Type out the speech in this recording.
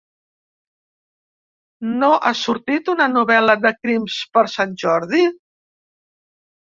No ha sortit una novel·la de crims per Sant Jordi?